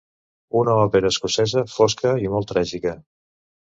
Una òpera escocesa, fosca i molt tràgica.